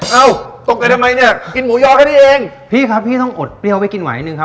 เอ้าตกใจทำไมเนี่ยกินหมูยอแค่นี้เองพี่ครับพี่ต้องอดเปรี้ยวไปกินไหวหนึ่งครับ